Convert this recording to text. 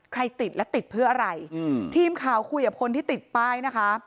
ติดและติดเพื่ออะไรอืมทีมข่าวคุยกับคนที่ติดป้ายนะคะ